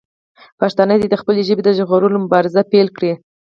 پښتانه دې د خپلې ژبې د ژغورلو مبارزه پیل کړي.